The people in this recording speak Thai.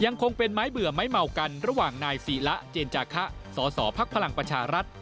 คงเป็นไม้เบื่อไม้เมากันระหว่างนายศีละเจนจาคะสสพลังประชารัฐ